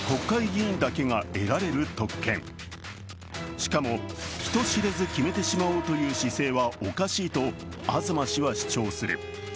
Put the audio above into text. しかも人知れず決めてしまおうという姿勢はおかしいと、東氏は主張する。